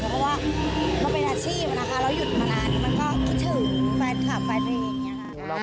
เพราะว่ามันเป็นอาชีพนะคะเราหยุดมานานมันก็คิดถึงแฟนคลับแฟนเพลงอย่างนี้ค่ะ